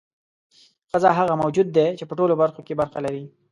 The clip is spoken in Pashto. ښځه هغه موجود دی چې په ټولو برخو کې برخه لري.